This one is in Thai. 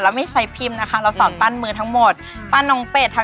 วันหนึ่งนะคะวันหนึ่งค่ะค่ะ